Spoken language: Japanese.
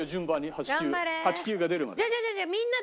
８９８９が出るまで。